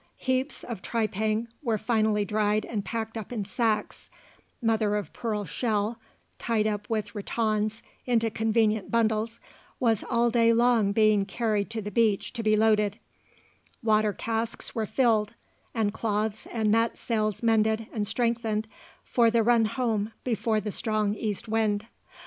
Heaps of tripang were finally dried and packed up in sacks; mother of pearl shell, tied up with rattans into convenient bundles, was all day long being carried to the beach to be loaded; water casks were filled, and cloths and mat sails mended and strengthened for the run home before the strong east wind.